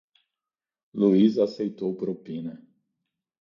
Luís aceitou propina.